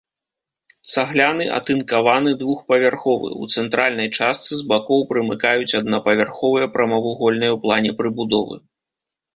Цагляны, атынкаваны, двух-павярховы, у цэнтральнай частцы, з бакоў прымыкаюць аднапавярховыя прамавугольныя ў плане прыбудовы.